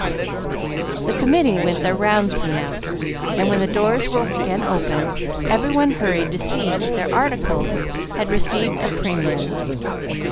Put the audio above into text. The Committee went their rounds soon after, and, when the doors were again opened, every one hurried to see if their articles had received a premium.